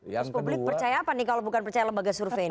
publik percaya apa nih kalau bukan percaya lembaga survei ini